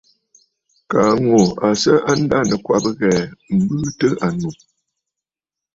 Kaa ŋù à sɨ a ndanɨ̀kwabə̀ ghɛ̀ɛ̀ m̀bɨɨ tɨ ànnù.